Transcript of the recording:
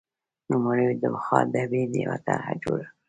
نوموړي د بخار ډبې یوه طرحه جوړه کړه.